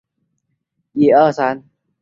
勒夫雷克。